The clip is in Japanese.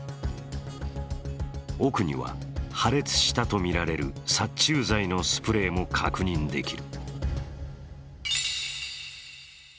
奥には破裂したとみられる殺虫剤のスプレーも確認できる。